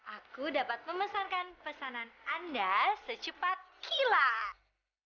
aku dapat memesankan pesanan anda secepat kilat